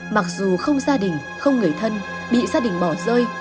mặc dù không gia đình không người thân bị gia đình bỏ rơi